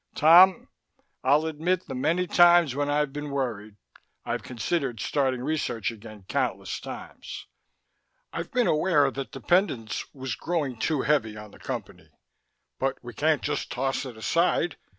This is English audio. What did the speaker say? "Tom, I'll admit the many times when I've been worried. I've considered starting research again countless times. I've been aware that dependence was growing too heavy on the Company. But we can't just toss it aside.